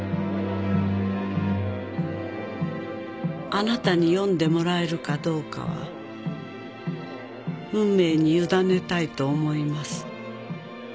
「あなたに読んでもらえるかどうかは運命に委ねたいと思います」